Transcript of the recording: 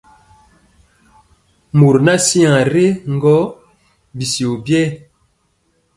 Mɔri ŋan siaŋg rɛ gɔ, bityio biɛɛ.